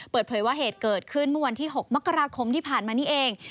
เปิดเผยว่าเหตุเกิดขึ้นเมื่อวันที่๖มกราคมที่ผ่านมานี่เอง